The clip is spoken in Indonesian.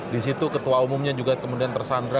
di situ ketua umumnya juga kemudian tersandra